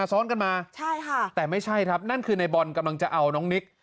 ซ้อนกันมาใช่ค่ะแต่ไม่ใช่ครับนั่นคือในบอลกำลังจะเอาน้องนิก